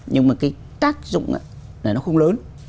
nhưng mà cái tác dụng này nó không lớn